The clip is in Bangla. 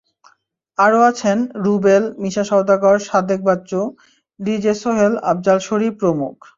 আরও আছেন রুবেল, মিশা সওদাগর, সাদেক বাচ্চু, ডিজে সোহেল, আফজাল শরিফ প্রমুখ।